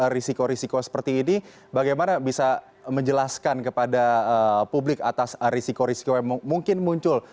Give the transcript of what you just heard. risiko risiko seperti ini bagaimana bisa menjelaskan kepada publik atas risiko risiko yang mungkin muncul